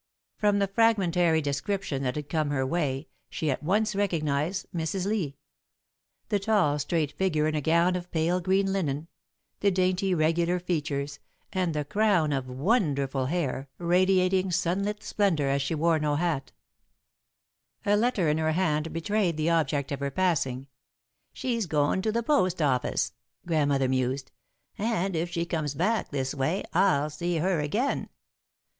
From the fragmentary description that had come her way, she at once recognised Mrs. Lee the tall, straight figure in a gown of pale green linen, the dainty, regular features, and the crown of wonderful hair, radiating sunlit splendour, as she wore no hat. [Sidenote: Ready Money] A letter in her hand betrayed the object of her passing. "She's goin' to the post office," Grandmother mused, "and if she comes back this way, I'll see her again.